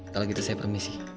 kalau gitu saya permisi